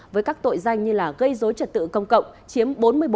với các tội danh như gây dối trật tự công cộng chiếm bốn mươi bốn